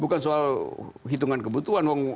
bukan soal hitungan kebutuhan